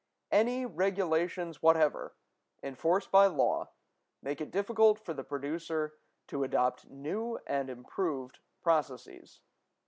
Any regulations whatever, enforced by law, make it difficult for the producer to adopt new and improved processes.